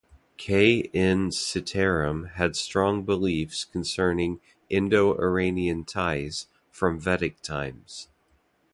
K. N. Sitaram had strong beliefs concerning Indo-Iranian ties from Vedic times.